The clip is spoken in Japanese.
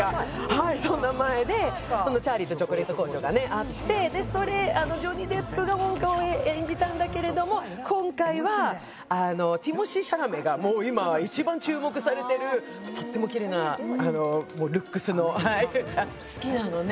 はいそんな前で「チャーリーとチョコレート工場」がねあってでそれジョニー・デップがウォンカを演じたんだけれども今回はあのティモシー・シャラメがもう今一番注目されてるとってもキレイなルックスのはい好きなのね？